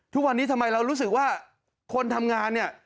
ทุกวันนี้ทำไมเรารู้สึกว่าคนทำงานเนี่ย